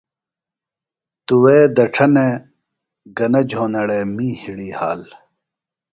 تُوے دڇھنے گنہ جھونڑے می ہڑی حال۔